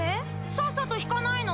さっさと引かないの？